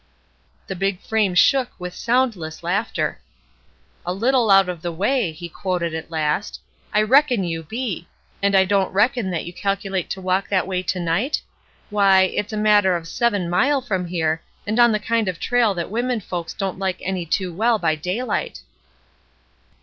The big frame shook with soimdless laughter. "A Uttle out of the way," he quoted at last. "I reckon you be ! and I don't reckon that you calculate to walk that way to night? Why, it's a matter of seven mile from here, and on 172 ESTER RIED'S NAMESAKE the kind of trail that women folks don't like any too well by daylight."